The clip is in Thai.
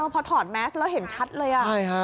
พอถอดแมสแล้วเห็นชัดเลย